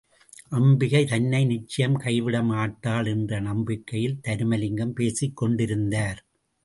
அம்பிகை தன்னை நிச்சயம் கைவிட மாட்டாள் என்ற நம்பிக்கையில் தருமலிங்கம் பேசிக்கொண்டிருந்தார்.